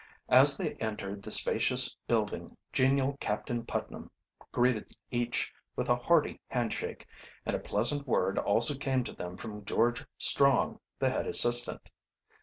As they entered the spacious building genial Captain Putnam greeted each with a hearty handshake, and a pleasant word also came to them from George Strong, the head assistant.